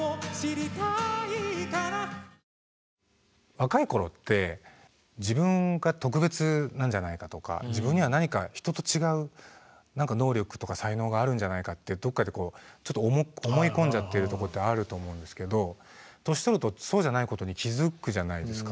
若い頃って自分が特別なんじゃないかとか自分には何か人と違う能力とか才能があるんじゃないかってどっかでちょっと思い込んじゃってるとこってあると思うんですけど年取るとそうじゃないことに気付くじゃないですか。